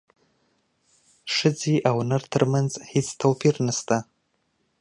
ښځې او نر ترمنځ هیڅ توپیر نشته